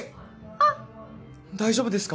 あっ大丈夫ですか？